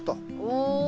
お。